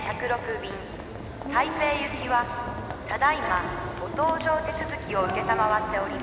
便台北行きはただ今ご搭乗手続きを承っております」